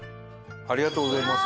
ありがとうございます。